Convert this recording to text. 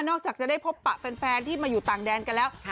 จากจะได้พบปะแฟนที่มาอยู่ต่างแดนกันแล้ว